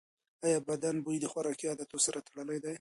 ایا بدن بوی د خوراکي عادتونو سره تړلی دی؟